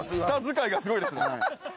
舌使いがすごいですね。